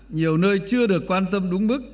nhiều nơi chưa được quan tâm đúng bức